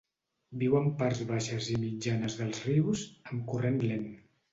Viu en parts baixes i mitjanes dels rius, amb corrent lent.